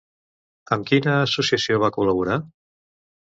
Amb quina associació va col·laborar?